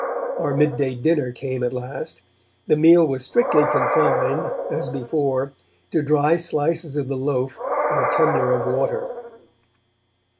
Our midday dinner came at last; the meal was strictly confined, as before, to dry slices of the loaf and a tumbler of water.